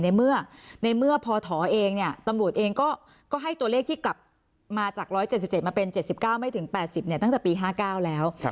ในเมื่อพอถอเองเนี่ยตำรวจเองก็ให้ตัวเลขที่กลับมาจาก๑๗๗มาเป็น๗๙ไม่ถึง๘๐ตั้งแต่ปี๕๙แล้ว